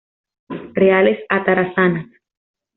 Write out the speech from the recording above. Reales Atarazanas.